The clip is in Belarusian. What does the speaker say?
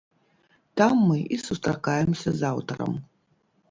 Там мы і сустракаемся з аўтарам.